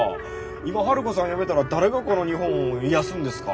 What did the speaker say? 今ハルコさんやめたら誰がこの日本を癒やすんですか？